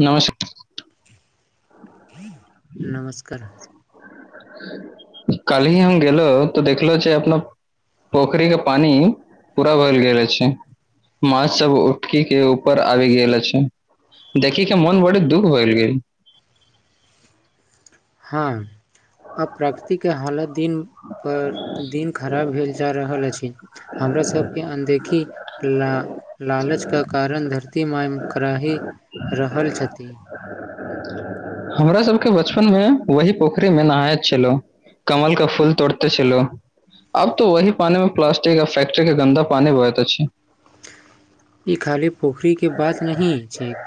नमस्कार नमस्कार कलहि हम गेलौ तऽ देखलो जे अपना पोखरि के पानि पूरा भरि गेल अछि माछ सब उठकी के ऊपर आबि गेल अछि देखी के मन बड़े दुख भैल गेल हँ आब प्रकृतिके हालत दिन पर दिन खराब भेल जा रहल अछि हमरा सब के अनदेखी ल लालचके कारण धरती माय कराही रहल छथि। हमरा सबके बचपन मे वही पोखरिमे नहायत छलौं। कमलक फूल तोड़ते छेलौ। अब तो वही पानी मे प्लास्टिक या फैकट्री के गन्दा पानी बहैत अछि। ई खाली पोखरि के बात नहि छैेक।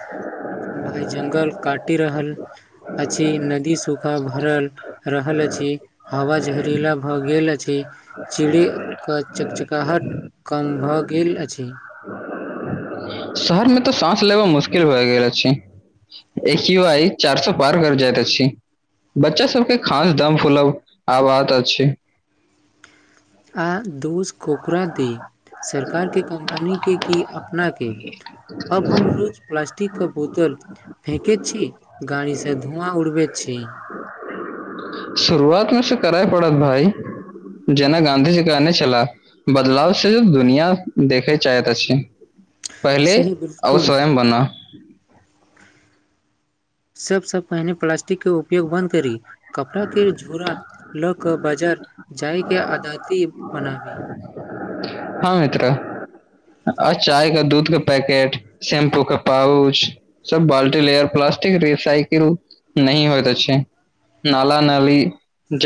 भाय जंगल काटि रहल अछि। नदी सू सूखा भरल रहल अछि। हवा जहरीला भऽ गेल अछि। चिड़ि क चकचकाहट कम भऽ गेल अछि। शहरमे तऽ साँस लेब मुश्किल भए गेल अछि ए क्यू आइ चार सौ पार कर जाइत अछि। बच्चा सबके खास दम फुलब आबात अछि आ दोस कोकरा दि सरकार के कंपनी के की अपना के अब हम रोज प्लास्टिक के बोतल फेेकैत छी। गाड़ीसँ धुआँ उड़बैत छी। शुरुआत मेसब करै पड़त भाइ। जेना गाँधीजी कहने छला। बदलाव सेहो दुनियाँ देखै चाहैत अछि पहिले सही आउ बिलकुल स्वयं बन। सबसँ पहिने प्लास्टि के उपयोग बन्द करी। कपड़ा के झोरा लऽ कऽ बाजार जायके अदाती बनाबी। हँ मित्र। आ चाय के दूध के पैकेट। शैम्पू के पाउच। सब बाल्टी लेयर प्लास्टिक रिसाइकिल नहि होइत अछि नाला नाली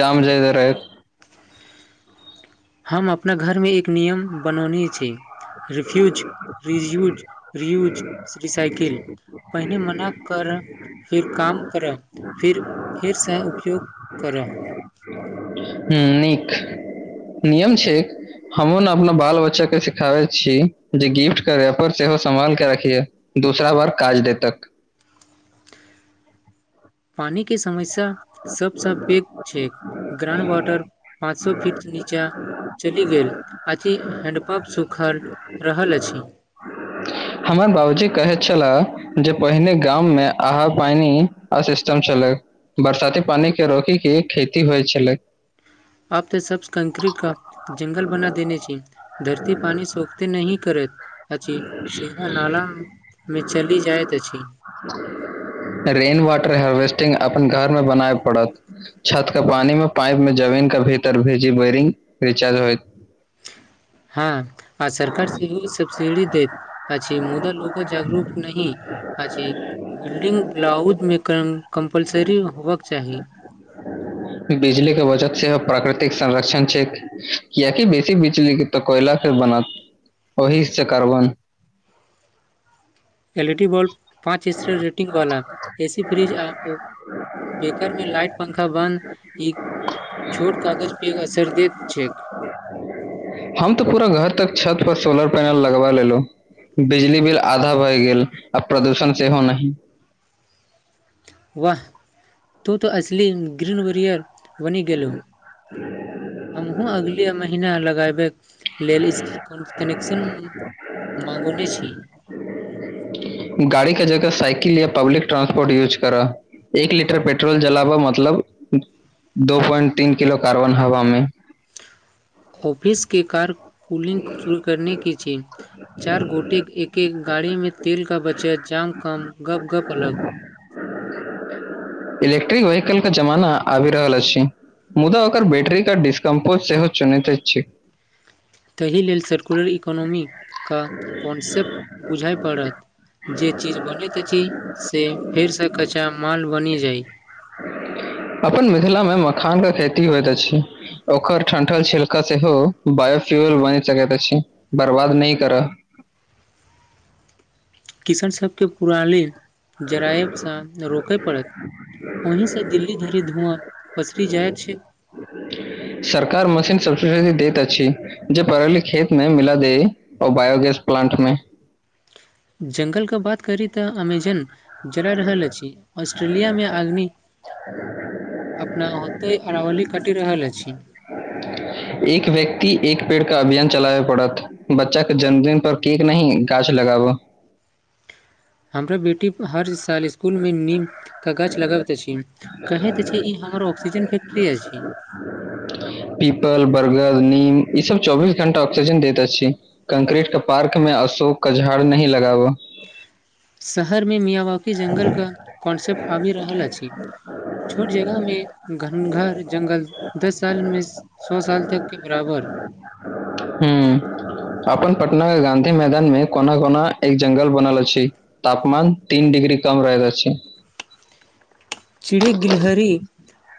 जाम जायदा रहैत। हम अपना घरमे एक नियम बनौने छी। रिफ्यूज रियूज रियूज रिसाइकिल पहिने मना कर फिर काम करऽ फिर फेरसँ उपयोग करऽ। हुँ नीक नियम छै। हमहूँ ने अपना बाल बच्चाके सिखाबै छी। जे गिफ्ट के रेफर सेहो सम्हालके राखिहे दूसरा बार काज दे तक। पानी के समस्या सबसँ पैघ छै। ग्राउड वाटर पाँच सौ फीट नीचा चलि गेल अथी हैण्डपम्प सूखल रहल अछि हमर बाबूजी कहैत छला जे पहिने गाम मे आहा पानि आ सिस्टम छलै बरसाती पानी के रोकी के खेती होइ छलै आप त सब कंकी का ज्ंगल बना देने छै धरती पानि सोखते नही करैत अछि सीधा नाला मे चली जाइत अछि रेन वाटर हार्वेस्टिंग अपन घरमे बनाबे पड़त छत के पानी मे पाइप मे जमीन के भीतर भीजी बरिंग रिचार्ज होय। हँ आ सरकार सेहो सब्सिडी दैत अछि। मुदा लो जागरूक नहि अछि बिल्डिंग ब्लाउज मे कम कम्पलसरी होबक चाही। बिजली के वजत से प्राकृतिक संरक्षण छै। कियकि बेसी बिजली के तऽ कोयला फेर बनत ओहि से कार्बन एल ईडी बल्ब पाँच स्टार रेटिंग वाला एसी फ्रिज आ ओ बेकारमे लाइट पंखा बन्द ई छोट कागजपे असर दैत छैक। [inaudible] हम तऽ पूरा घर तक छत पर सोलर पैनल लगबा लेलौ बिजली बिल आधा भए गेल आ प्रदूषण सेहो नहि वाह तो तऽ असली ग्रीन वरियर बनी गेलहु हमहुँ अगले महीना लगैबे लेली कनेक्शन माँगौने छी गाड़ी के जगह साइकिल या पब्लिक ट्रांसपोर्ट यूज करऽ एक लीटर पेट्रोल जलाबा मतलब दो प्वइंट तीन किलो कार्बन हवा मे ऑफिसके कार कूलिंग शुरू करनेके छी चार गोटे एक एक गाड़ीमे तेल का बचत जाम कम गप गप अलग इलेक्ट्रिक वेहकल के जमाना आबि रहल अछि मुदा ओकर बैटरीे डिस्कम्पोज सेहो चुनैते छी ताहि लेल सर्कुलर इकोनोॉमीे के कॉन्सेप्ट बुझय पड़त जे चीज बनैत अछि से फेरसँ कच्चा माल बनि जाय अपन मिथिलामे मखानके खेती होइत अछि ओकर ठंठल छिलका सेहो बायोफ्यूल बनि सकैत अछि बर्बाद नै करऽ किसन सभके पुरा‌ लेल जरायबसँ त‌रोकय पड़त अही से दिल्ली धरी धुआँ पसरी जाय छै सरकार मशीन सबसिडी दैत अछि जे परली खेत मे मिला दे ओ बायोगैस प्लांट मे जंगलके बात करी तऽ अमेजन जरा रहल अछि ऑस्ट्रेलियामे आदमी [inaudible] अपना होते अरावली कटि रहल अछि एक व्यक्त एक पेड़ क अभियान चलाबै पड़त बच्चा के जन्मदिन पर केक नही गाछ लगाब हमरा बेटी हर साल इस्कुलमे नीमके गाछ लगाबैत अछि कहैत छै ई हमर ऑक्सीजन फैक्ट्री अछि पीपल बर्गर नीम ईस चौबीस घंटा ऑक्सीजन दैत अछी कंक्रीट के पार्क मे अशोक क झाड़ नही लगाब शहरमे मियाँ बकी जंगल क कॉन्सेप्ट आबि रहल अछि छोट जगह मे घन घार जंगल दस सालमे स सौ साल तक के बराबर हूँ अपन पटन के गाँधी मैदान मे कोना कोना एक जंगल बनल अछि तापमान तीन डग्री कम रहैत अछी चिड़ी गिलहर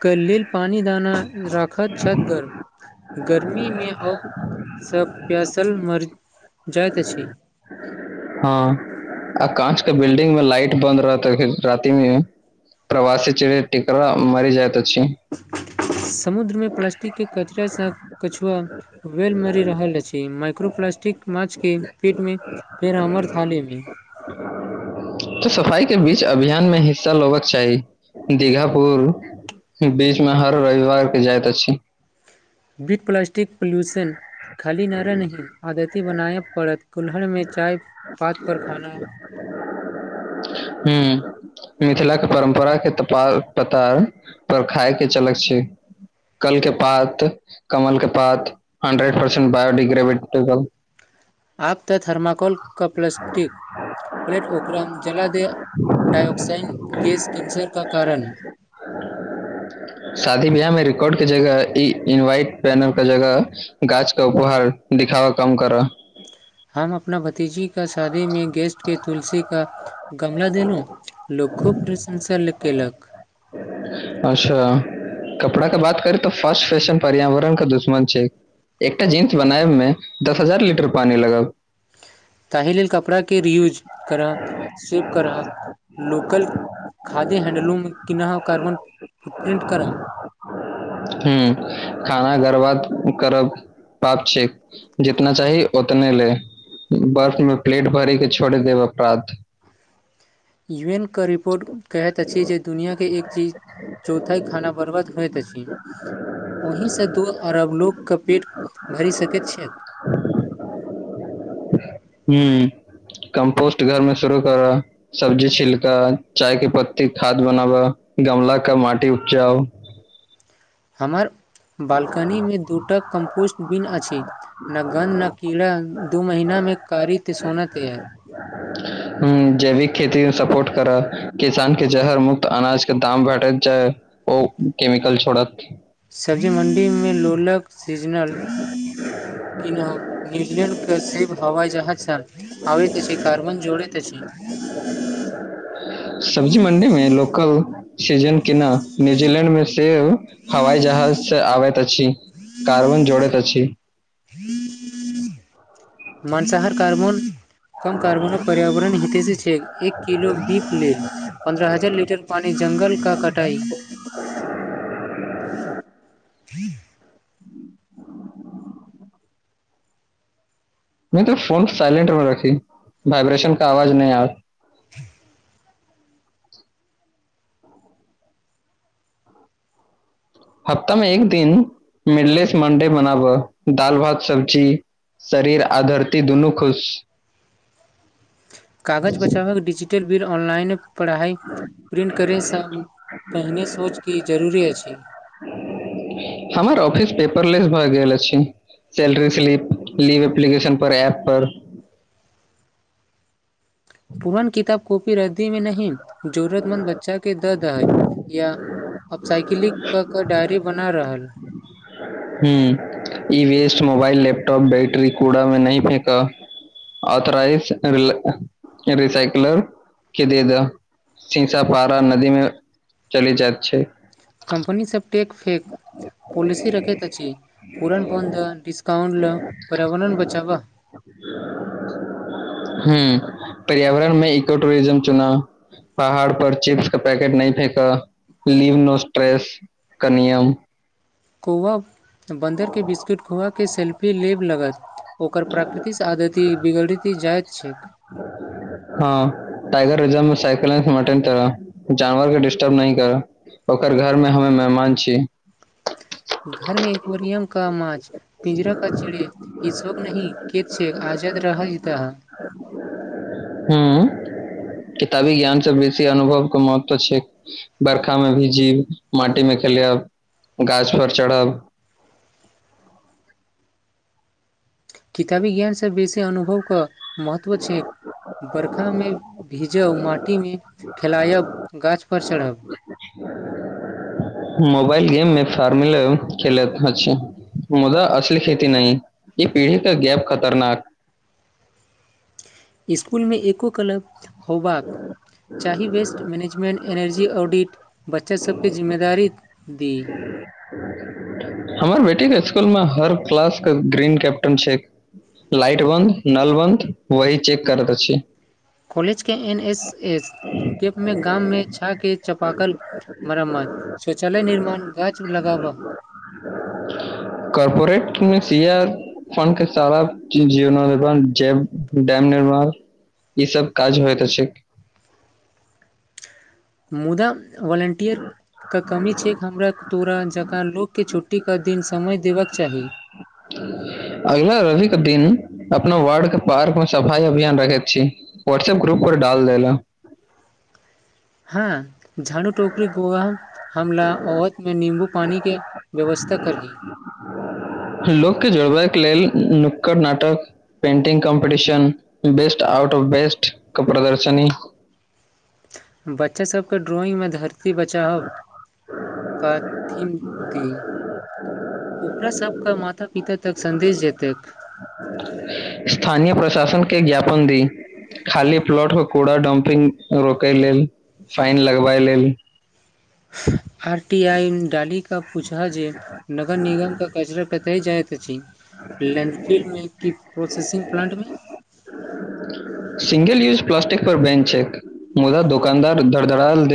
के लेल पानी दाना राखत छत गर गर्मीमे अप सँ प्यासल मरि जाइत अछि हँ आ काँच के बिल्डिंग मे लाइट बन्द रहत राति मे ट्रवासी चिड़ै टीकरा मरी जाएत अछि समुद्रमे प्लास्टिक के कचरास कछुआ वेल मरि रहल अछि माइक्रो प्लास्टिक माछ के पेट मे फेर हमर थालीमे तऽ सफाई के बीच अभियान मे हिस्सा लेबाक चाही दीगापुर बीच मे हर रविवार के जाइत अछी विथ प्लास्टिक पोल्यूशन खाली नारा नहि आदती बनाय पड़त कुल्हरमे चाय पात पर खाना हूँ मिथिला के परम्परा के त प पता पर खाय के चलक छै कल के पात कमल के पात हंड्रेड प छैन बायोडिग्रेविटिकल आप त थर्माकोल क प्लस्टिक प्लेट उकरा जला दे डाइआऑक्साइन गैस किंचर का कारण [inaudible] शादी बियाह मे रिकॉर्डके जगह ई इनवाइट पैनरके जगह गाछ तऽ उपहार दिखाब कम कर हम अपना भतीजी क शादीमे गेस्टके तुलसी क गमला देलु लोक खूब प्रशंसा केलक अच्छा कपड़ा के बात करी तऽ फर्स्ट फैशन पर्यावरण के दुश्मन छै एकटा जींस बनायब मे दस हजार लीटर पानी लगब ताहि लेल कपड़ाके रीयूज करऽ सेव करऽ लोकल खाद्य्य हैंडलूम किनह कार्बन फुटप्रिंट कर हूँ खाना घर्बात करब पाप छै जितना चाही उतने लैय बर्फ मे प्लेट भरै के छोड़ देब अपराध यू एन क रिपोर्ट कहैत अछि जे दुनिआँके एक चीज चौथाई खाना बरबाद होईत अछी ओहिसँ दू अरब लोकके पेट भरि सकैत छैक ह [inaudible] हूँ कम्पोस्ट घरमे शुरू कर सब्जी छिलका चाय के पत्ती खाद बनाबा गमला का माटी उपजाउ हमर बाल्कनीमे दूटा कम्पोस्ट बिन अछिने घन न कीड़ा दू महीनामे [inaudible] जैविक खेतीमे सपोर्ट करा किसान के जहर मुक्त अनाज के दाम भेटैत जाय ओ केमिकल छोड़त सब्जी मण्डीमे लोलक सीजनल कीनब न्यूजलैंड प्रसिद्ध हवाई जहाज छल आबैत अछि कार्बन जोड़ेत अछि सब्जी मण्डी मे लोकल सीजन केना न्यूजीलैंड मे सेव हवई जहाज से आबैत अछि कार्बन जोड़ैत अछि माँसाहार कार्बन कम कार्बनो पर्यावरण हितेसि छैक एक किलो दीप लेल पन्द्रह हजार लीटर पानि जङ्गलका कटाइ [inaudible] नय तऽ फोन साइलेंट मे रखी वाइब्रेशन का आवाज नय आव [inaudible] हफ्तामे एक दिन मिलडे से मंडे मनाब दाल भात सब्जी शरीर आ धरती दुनू खुश कागज बचावक डिजिटल बिल ऑनलाइन पढ़ाइ प्रिंट करे सँ पहिने सोचके ई जरूरी अछि हमर ऑफिस पेपरलेस भऽ गेल अछि सैलरी स्लिप लीव एप्लीकेशन पर ऐप पर पुरान किताब कॉपी रद्दी मे नहि जरूरतमन्द बच्चा के दऽ दहै या अब साइकिलिंग कऽ कऽ डायरी बना रहल हुँ ई वेस्ट मोबाइल लैपटॉप बैटरी कूड़ा मे नहि फेका ऑथोराइज रिसाइकलर के दे दऽ शीशा पारा नदी मे चली जाइत छै कम्पनी सब टेक फेक पॉलिसी रखैत अछि पूरण पौन्द डिस्काउंट पर्यावरण बचाव हुँ पर्यावरणमे इको टूरिज्म चुना पहाड़ पर चिप्स के पैकेट नहि फेकऽ लीव नो स्ट्रेस क नियम कौआ बन्दरके बिस्कुट खुआके सेल्फी लेब लगत ओकर प्राकृतिस आदति बिगड़ि जाइत छैक [inaudible] हँ टाइगर रिजर्व मे साइकिल [unintelligible] जानवर के डस्टर्ब नहि कर ओकर घर मे हमे मेहमान छी घर मे एक्वोरियम का माछ पिंजरा का चिड़ेै ई सब नहि के छ आजाद रहि दह हुँ किताबी ज्ञानसँ बेसी अनुभव के महत्व छैक बर्खा मे भी जीब माटी मे खेलब गाछ पर चढ़ब किताबी ज्ञान से बेसी अनुभव के महत्व छै बर्षा मे भीजब माटी मे खेलयब गाछ पर चढ़ब मोबाल गेम मे फार्मिल खेलत अछि मुदा असली खेती नहि ई पीढ़ी कऽ गैप खतरनााक इसकुल मे एको क्लब होबाक चाही वेस्ट मैनेजमेन्ट एनर्जी ऑडिट बच्चास सबके जिम्मेदारी दी हमर बेटी के स्सकुल मे हर क्लास के ग्रीन कैप्टन छै लाइट बन्द नल बन्द वही चेक करैत अछी कॉलेज के एन एस एस कैपमे गाममे छाय के चापाकल मरमत शौचालय निर्माण गाछ लगाबा कर्पोरेट [unintelligible] फन के सारा [unintelligible] डैम निर्माण ई सब काज होयतऽ अछै मुदा वलेन्टिियर के कमी छैक हमरा तोरा जकाँ लोक केँ छुट्टी के दिन समय देबाक चाही अगला रवि क दिन अपना वार्ड के पार्क मे सफाइ अभियान रखैत छी व्वाट्सअप ग्रुप डाल देलै हँ झाड़ू टोकरी गोआा हम ल औवत मे नीम्बू पानी के व्यवस्था करी लोक के जोड़बैक लेल नुक्कड़ नाटक painting competition best out of best क प्रदर्शन बच्चा सबके ड्रॉइंग मे धरती बचाहब [unintelligible] ओकरा सबके माता इ त तक सन्देश जतक स्थानीय प्रशासन के ज्ञापन दी खाली प्लॉट के कूड़ा डम्पिंग रोकै लेल फाइन लगबाइ लेल आर टी आई डाली क पूछा जे नगर निगम क कचरा कते तय जाइत अछि लैणडफील्ड मे की प्रोसेसिंग प्लांट मे सिंगल यूज प्लाासटिक पर बैंन छै मुदा दुोकानदार धड़ धड़ाल दे